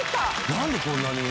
なんでこんなに？